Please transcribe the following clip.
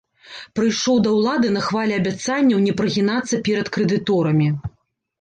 Прыйшоў да ўлады на хвалі абяцанняў не прагінацца перад крэдыторамі.